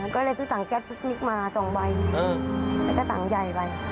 ก็เลยซื้อตังแก๊สพุทธนิดมาสองใบแล้วก็ตังใหญ่ไป